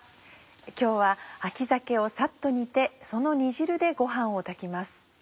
今日は秋鮭をサッと煮てその煮汁でご飯を炊きます。